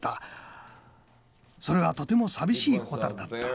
それはとても寂しい蛍だった。